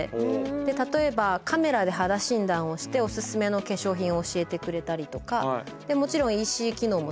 例えばカメラで肌診断をしておすすめの化粧品を教えてくれたりとか。